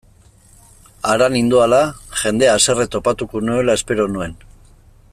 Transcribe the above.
Hara nindoala, jendea haserre topatuko nuela espero nuen.